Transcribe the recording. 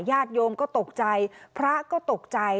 ญาติโยมก็ตกใจพระก็ตกใจ